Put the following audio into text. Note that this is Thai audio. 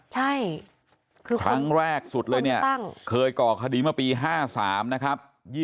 ใช่คือครั้งแรกสุดเลยเนี่ยเคยก่อคดีเมื่อปี๕๓นะครับ